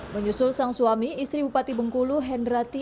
menyusul sang suami istri bupati bengkulu hendrati